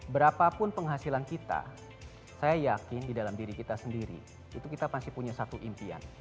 berapapun penghasilan kita saya yakin di dalam diri kita sendiri itu kita masih punya satu impian